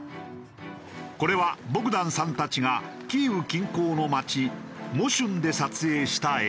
これはボグダンさんたちがキーウ近郊の街モシュンで撮影した映像。